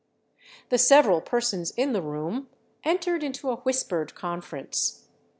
The several persons in the room entered into a whispered confer ence.